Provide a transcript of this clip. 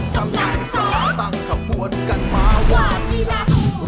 กำลังซ่าตั้งขบวนกันมาว่ามีล่าโซ่